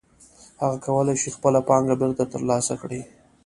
هغه کولی شي خپله پانګه بېرته ترلاسه کړي